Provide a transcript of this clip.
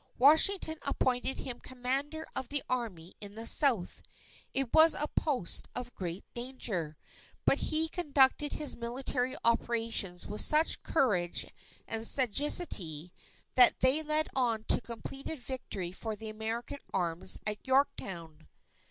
Washington appointed him Commander of the Army in the South. It was a post of great danger; but he conducted his military operations with such courage and sagacity that they led on to completed victory for the American arms at Yorktown.